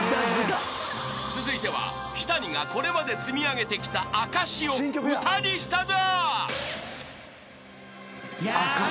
［続いては日谷がこれまで積み上げてきた証しを歌にしたぞ］